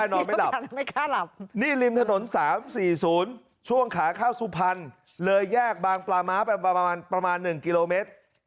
นี่ริมถนน๓๔๐ช่วงขาข้าวสุพันธุ์เลยแยกบางปลาม้าไปประมาณ๑กิโลเมตร